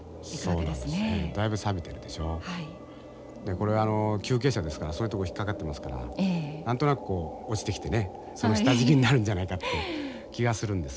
これ急傾斜ですからそういうとこ引っ掛かってますから何となくこう落ちてきてねその下敷きになるんじゃないかっていう気がするんですがね。